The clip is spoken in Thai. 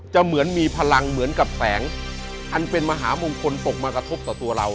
เหมือนมีพลังเหมือนกับแสงอันเป็นมหามงคลตกมากระทบต่อตัวเรา